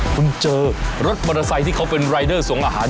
คุณเจอรถมอเตอร์ไซค์ที่เขาเป็นรายเดอร์ส่งอาหาร